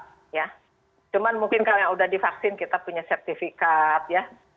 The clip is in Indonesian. cuma mungkin kalau sudah divaksin kita punya sertifikat